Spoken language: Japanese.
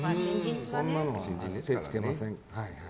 そんなのは手つけません。